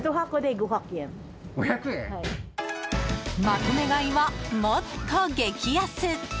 まとめ買いは、もっと激安！